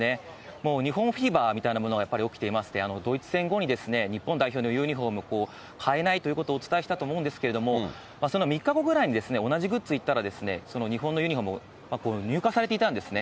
もう日本フィーバーみたいなものがやっぱり起きていまして、ドイツ戦後に、日本代表のユニホームを買えないということをお伝えしたと思うんですけれども、その３日後ぐらいに同じグッズ行ったら、その日本のユニホーム、入荷されていたんですね。